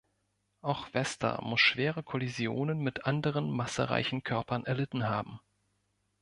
Auch Vesta muss schwere Kollisionen mit anderen massereichen Körpern erlitten haben.